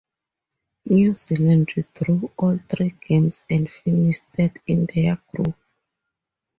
New Zealand drew all three games and finished third in their group.